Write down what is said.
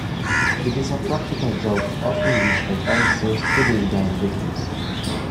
It is a practical joke often used by pranksters to disgust victims.